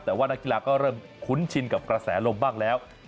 แต่ว่านักกีฬาก็เริ่มคุ้นชินกับกระแสลมบ้างแล้ว